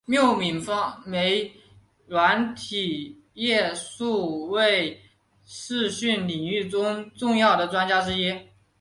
廖敏芳为软体业数位视讯领域中重要的专家之一。